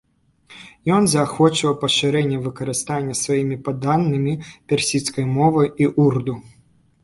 Ён заахвочваў пашырэнне выкарыстання сваімі падданымі персідскай мовы і урду.